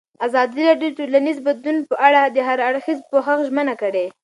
ازادي راډیو د ټولنیز بدلون په اړه د هر اړخیز پوښښ ژمنه کړې.